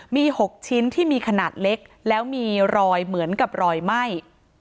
มี๖ชิ้นที่มีขนาดเล็กแล้วมีรอยเหมือนกับรอยไหม้